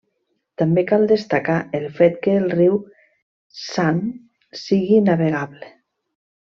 També cal destacar el fet que el riu San sigui navegable.